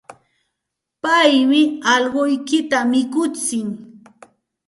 Paymi allquykita mikutsin.